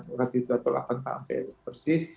berarti dua puluh delapan tahun saya persis